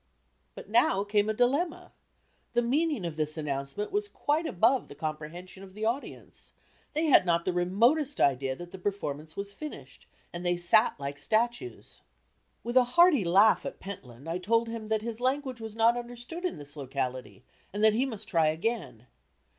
But now came a dilemma; the meaning of this announcement was quite above the comprehension of the audience; they had not the remotest idea that the performance was finished, and they sat like statues. With a hearty laugh at Pentland I told him that his language was not understood in this locality and that he must try again.